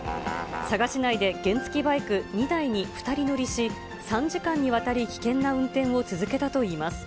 佐賀市内で原付きバイク２台に２人乗りし、３時間にわたり危険な運転を続けたといいます。